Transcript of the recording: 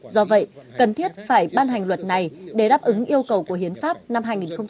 do vậy cần thiết phải ban hành luật này để đáp ứng yêu cầu của hiến pháp năm hai nghìn một mươi ba